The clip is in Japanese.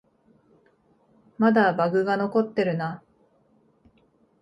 まだバグが残ってるな